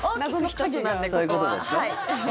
そういうことでしょ？